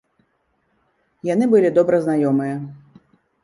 Яны былі добра знаёмыя.